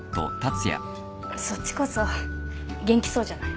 そっちこそ元気そうじゃない。